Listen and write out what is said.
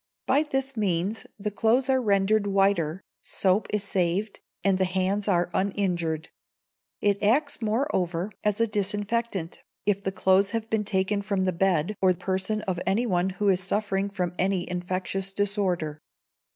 By this means the clothes are rendered whiter, soap is saved, and the hands are uninjured. It acts, moreover, as a disinfectant, if the clothes have been taken from the bed or person of anyone who is suffering from any infectious disorder.